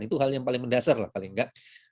itu hal yang paling mendasar paling enggak